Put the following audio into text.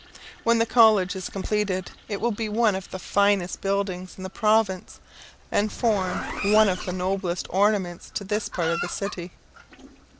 When the college is completed, it will be one of the finest public buildings in the province, and form one of the noblest ornaments to this part of the city.